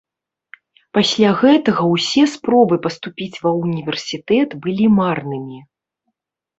Пасля гэтага ўсе спробы паступіць ва ўніверсітэт былі марнымі.